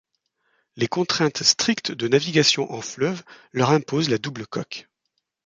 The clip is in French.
Les contraintes strictes de navigation en fleuve leur imposent la double coque.